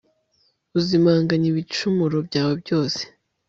uzimanganya ibicumuro byawo byose